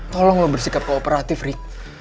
tolong lo bersikap kooperatif riki